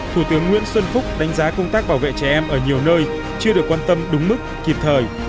thủ tướng nguyễn xuân phúc đánh giá công tác bảo vệ trẻ em ở nhiều nơi chưa được quan tâm đúng mức kịp thời